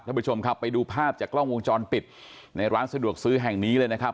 ท่านผู้ชมครับไปดูภาพจากกล้องวงจรปิดในร้านสะดวกซื้อแห่งนี้เลยนะครับ